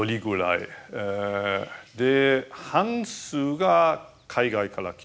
で半数が海外から来た人。